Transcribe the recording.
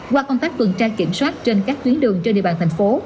qua công tác tuần tra kiểm soát trên các tuyến đường trên địa bàn thành phố